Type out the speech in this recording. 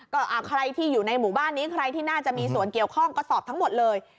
ก็ใครที่อยู่ในหมู่บ้านนี้ใครที่น่าจะมีส่วนเกี่ยวข้องก็สอบทั้งหมดเลย